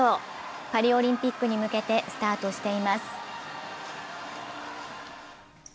パリオリンピックに向けスタートしています。